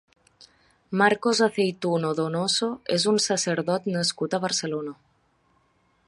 Marcos Aceituno Donoso és un sacerdot nascut a Barcelona.